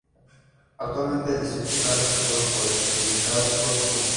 Actualmente el distrito está representado por el Republicano Todd Young.